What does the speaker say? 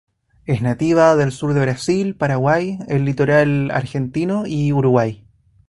Es nativa del sur de Brasil, Paraguay, el Litoral argentino y Uruguay.